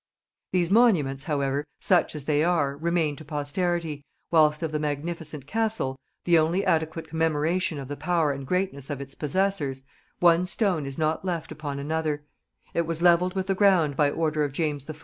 These monuments however, such as they are, remain to posterity, whilst of the magnificent castle, the only adequate commemoration of the power and greatness of its possessors, one stone is not left upon another: it was levelled with the ground by order of James I.